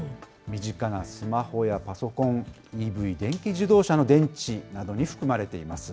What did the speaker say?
身近なスマホやパソコン、ＥＶ・電気自動車の電池などに含まれています。